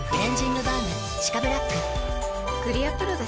クリアプロだＣ。